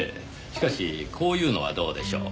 しかしこういうのはどうでしょう。